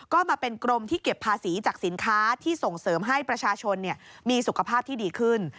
ก็มาเป็นกรมที่เก็บภาษีจากสินค้าที่ส่งเสริมให้ประชาชนมีสุขภาพที่ดีขึ้น